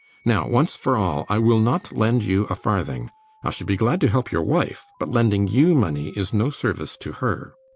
Now, once for all, I will not lend you a farthing. I should be glad to help your wife; but lending you money is no service to her.